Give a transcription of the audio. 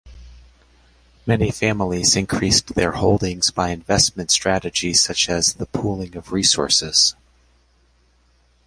Many families increased their holdings by investment strategies such as the pooling of resources.